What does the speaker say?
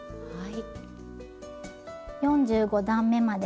はい。